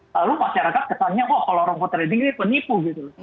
lalu masyarakat tanya oh kalau robot trading ini penipu gitu